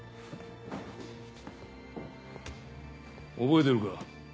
覚えてるか？